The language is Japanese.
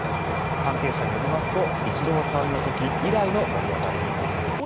関係者によりますとイチローさんの時以来の盛り上がりになるのではと。